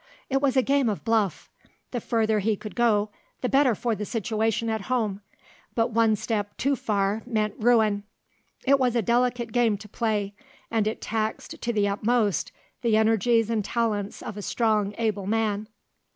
It was a game of bluff; the further he could go, the better for the situation at home, but one step too far meant ruin. It was a delicate game to play, and it taxed to the utmost the energies and talents of a strong, able man.